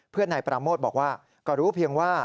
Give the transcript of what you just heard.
นายปราโมทบอกว่าก็รู้เพียงว่า